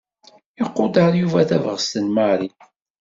Iqudeṛ Yuba tabɣest n Mary.